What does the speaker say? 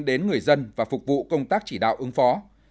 đến người dân và phục vụ công tác chỉ đạo ứng phó